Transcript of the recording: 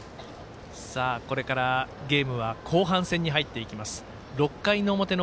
これからゲームは後半戦に入っていきます。